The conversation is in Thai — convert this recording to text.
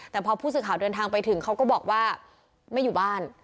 แต่พอผู้สื่อข่าวเดินทางไปถึงเขาก็บอกว่าไม่อยู่บ้าน